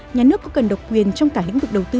nhà nước có cần độc quyền trong cả lĩnh vực đầu tư